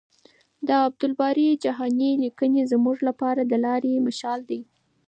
د عبدالباري جهاني لیکنې زموږ لپاره د لارې مشال دي.